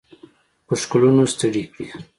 په ښکلونو ستړي کړي